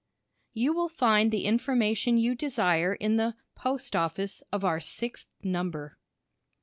You will find the information you desire in the "Post Office" of our sixth number.